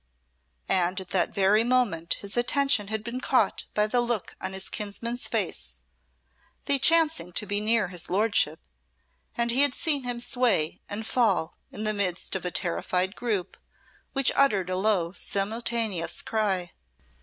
And at that very moment his attention had been caught by the look on his kinsman's face they chancing to be near his lordship; and he had seen him sway and fall in the midst of a terrified group, which uttered a low simultaneous cry.